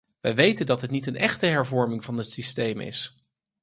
Wij weten dat het niet een echte hervorming van het systeem is.